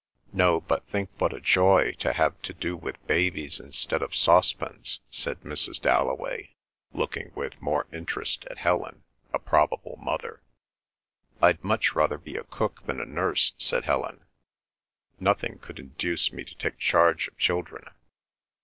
"No; but think what a joy to have to do with babies, instead of saucepans!" said Mrs. Dalloway, looking with more interest at Helen, a probable mother. "I'd much rather be a cook than a nurse," said Helen. "Nothing would induce me to take charge of children."